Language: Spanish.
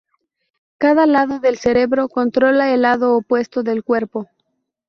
Cada lado del cerebro controla el lado opuesto del cuerpo.